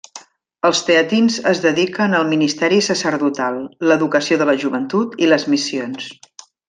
Els teatins es dediquen al ministeri sacerdotal, l'educació de la joventut i les missions.